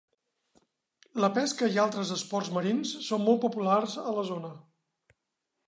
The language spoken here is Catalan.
La pesca i altres esports marins són molt populars a la zona.